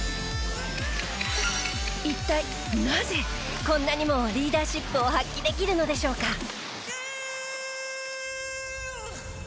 一体なぜこんなにもリーダーシップを発揮できるのでしょうか？